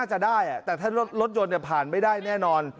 น่าจะได้อ่ะแต่ถ้ารถยนต์เนี้ยผ่านไม่ได้แน่นอน